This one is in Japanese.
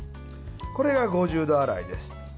これが５０度洗いです。